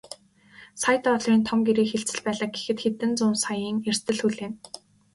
Сая долларын том гэрээ хэлцэл байлаа гэхэд хэдэн зуун саяын эрсдэл хүлээнэ.